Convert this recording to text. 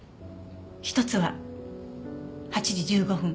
一つは８時１５分